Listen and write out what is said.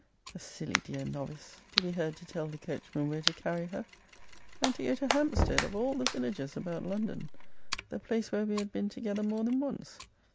A silly dear novice, to be heard to tell the coachman where to carry her! And to go to Hampstead, of all the villages about London! The place where we had been together more than once!